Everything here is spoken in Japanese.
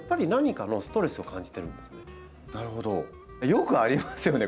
よくありますよね